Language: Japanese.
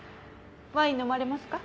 ワイン飲まれますか？